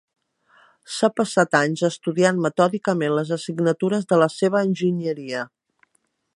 S'ha passat anys estudiant metòdicament les assignatures de la seva enginyeria.